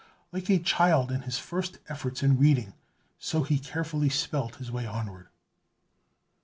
Like a child in his first efforts in reading, so he carefully spelt his way onward.